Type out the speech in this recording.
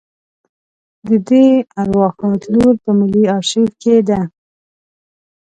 د دې ارواښاد لور په ملي آرشیف کې ده.